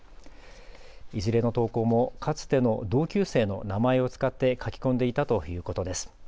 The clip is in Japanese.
いずれの投稿もかつての同級生の名前を使って書き込んでいたということです。